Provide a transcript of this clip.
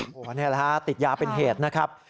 นี่แหละครับติดยาเป็นเหตุนะครับ